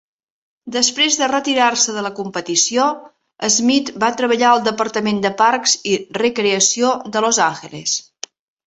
Després de retirar-se de la competició, Smith va treballar al Departament de Parcs i Recreació de Los Angeles.